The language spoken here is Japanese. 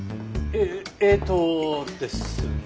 えーっとですね。